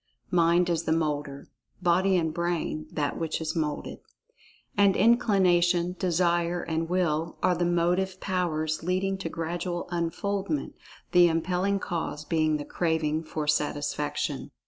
Mind is the moulder—body (and brain) that which is moulded. And Inclination, Desire, and Will, are the motive powers leading to gradual Unfoldment, the impelling cause being the craving for Satisfaction.